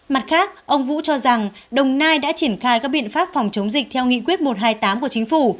mặt khác ông vũ cho rằng đồng nai đã triển khai các biện pháp phòng chống dịch theo nghị quyết một trăm hai mươi tám của chính phủ